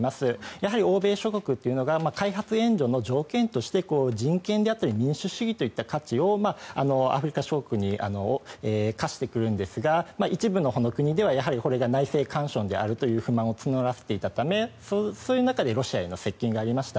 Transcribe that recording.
やはり欧米諸国というのが開発援助の条件として人権であったり民主主義であったりという価値をアフリカ諸国に課してくるんですが一部の国ではこれが内政干渉であるという不満を募らせていたためそういう中でロシアへの接近がありました。